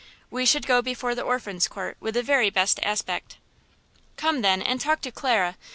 We should go before the Orphans' Court with the very best aspect." "Come, then, and talk to Clara.